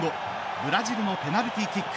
ブラジルのペナルティーキック。